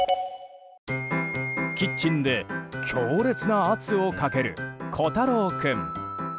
キッチンで強烈な圧をかける虎太郎君。